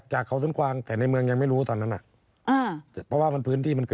จากเขาส้นกวางแต่ในเมืองยังไม่รู้ตอนนั้น